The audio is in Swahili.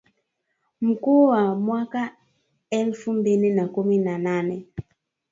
mkuu wa mwaka elfu mbili na kumi na nane